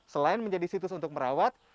selain menjadi situs untuk merawat